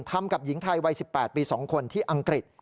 ทำกับหญิงไทยวัย๑๘ปี๒คนที่อังกฤษ